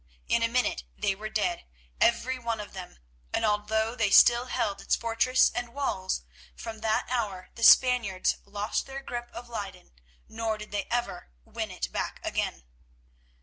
In a minute they were dead, every one of them, and although they still held its fortresses and walls, from that hour the Spaniards lost their grip of Leyden, nor did they ever win it back again.